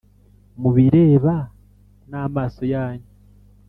mubireba n’amaso yanyu?